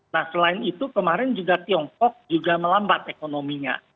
nah selain itu kemarin juga tiongkok juga melambat ekonominya